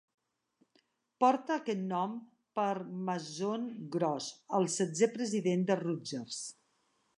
Porta aquest nom per Mason W. Gross, el setzè president de Rutgers.